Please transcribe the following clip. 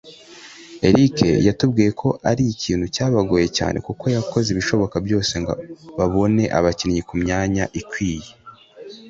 Eric yatubwiye ko ari ikintu cyabagoye cyane kuko bakoze ibishoboka byose ngo babone abakinnyi ku myanya ikwiye